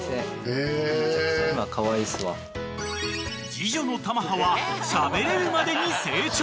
［次女の珠葉はしゃべれるまでに成長］